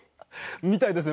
みたいですね